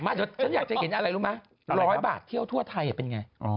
เดี๋ยวฉันอยากจะเห็นอะไรรู้ไหม๑๐๐บาทเที่ยวทั่วไทยเป็นไง